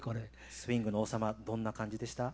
スイングの王様どんな感じでした？